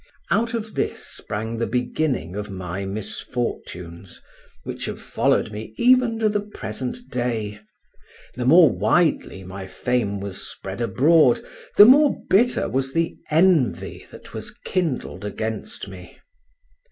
Out of this sprang the beginning of my misfortunes, which have followed me even to the present day; the more widely my fame was spread abroad, the more bitter was the envy that was kindled against me.